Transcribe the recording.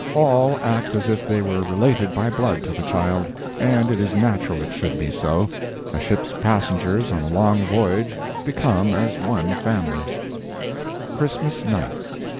All act as if they were related by blood to the child. And it is natural it should be so—a ship's passengers on a long voyage become as one family. CHRISTMAS NIGHT.